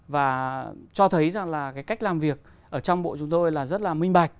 và cho thấy rằng là cái cách làm việc ở trong bộ chúng tôi là rất là minh bạch